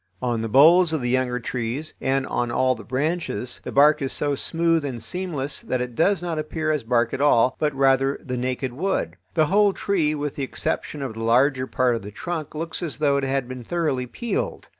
On the boles of the younger trees and on all the branches, the bark is so smooth and seamless that it does not appear as bark at all, but rather the naked wood. The whole tree, with the exception of the larger part of the trunk, looks as though it had been thoroughly peeled.